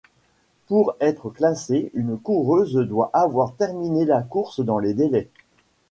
Pour être classée, une coureuse doit avoir terminée la course dans les délais.